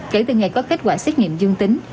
kể từ ngày có kết quả xét nghiệm dương tính